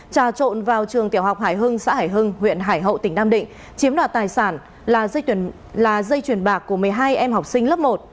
trà trộn vào trường tiểu học hải hưng xã hải hưng huyện hải hậu tỉnh nam định chiếm đoạt tài sản là dây truyền bạc của một mươi hai em học sinh lớp một